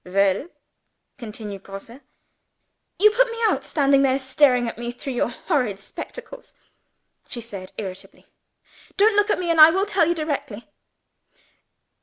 "Well?" continued Grosse. "You put me out, standing there staring at me through your horrid spectacles!" she said irritably. "Don't look at me, and I will tell you directly."